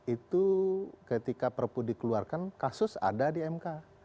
itu ketika perpu dikeluarkan kasus ada di mk